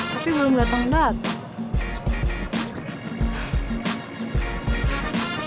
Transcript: tapi belum dateng dateng